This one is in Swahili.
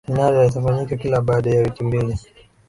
minada itafanyika kila baada ya wiki mbili